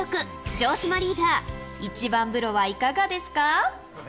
城島リーダー、一番風呂はいかがですか？